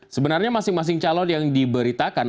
sebenarnya masing masing calon yang diberitakan